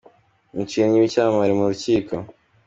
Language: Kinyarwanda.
Umukinnyi wicyamamare mu rukiko